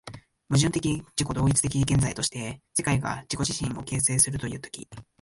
矛盾的自己同一的現在として、世界が自己自身を形成するという時、